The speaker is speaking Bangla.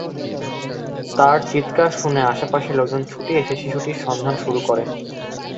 তাঁর চিৎকার শুনে আশপাশের লোকজন ছুটে এসে শিশুটির সন্ধান শুরু করেন।